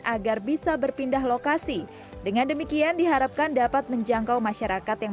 agar bisa berpindah lokasi dengan demikian diharapkan dapat menjangkau masyarakat yang